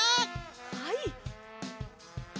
はい。